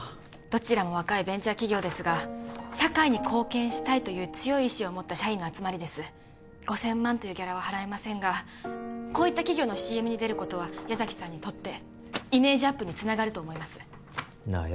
どちらも若いベンチャー企業ですが社会に貢献したいという強い意志を持った社員の集まりです５０００万というギャラは払えませんがこういった企業のＣＭに出ることは矢崎さんにとってイメージアップにつながると思いますなあ